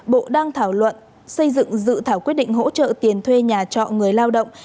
bộ đang thảo luận xây dựng dự thảo quyết định hỗ trợ tiền thuê nhà trọ người lao động